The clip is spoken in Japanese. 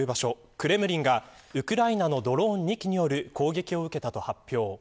クレムリンが、ウクライナのドローン２機による攻撃を受けたと発表。